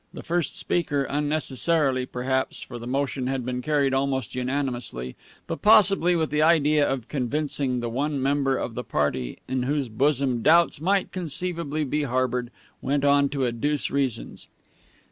The first speaker, unnecessarily, perhaps for the motion had been carried almost unanimously but possibly with the idea of convincing the one member of the party in whose bosom doubts might conceivably be harbored, went on to adduce reasons.